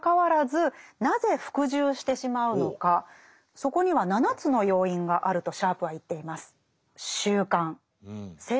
そこには７つの要因があるとシャープは言っています。